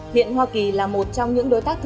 hiện hoa kỳ là một trong những đối tác tốt đẹp